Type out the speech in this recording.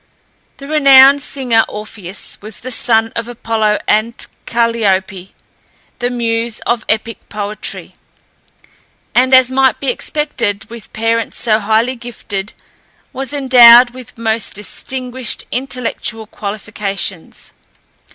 The renowned singer Orpheus was the son of Apollo and Calliope, the muse of epic poetry, and, as might be expected with parents so highly gifted, was endowed with most distinguished intellectual qualifications.